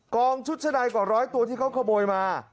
องชุดชะใดกว่าร้อยตัวที่เขาขโมยมา